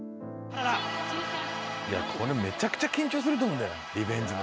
これめちゃくちゃ緊張すると思うんだよリベンジ。